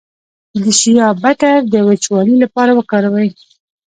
د شیا بټر د وچوالي لپاره وکاروئ